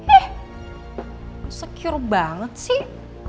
ih insecure banget sih